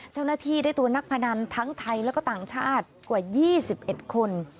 เจ้าหน้าที่ได้ตัวนักพนันทั้งไทยและก็ต่างชาติกว่า๒๑คน